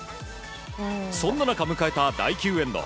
そんな中、迎えた第９エンド。